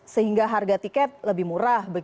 sehingga harga tiket lebih murah